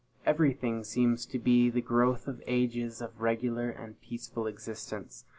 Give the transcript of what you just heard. Every thing seems to be the growth of ages of regular and peaceful existence.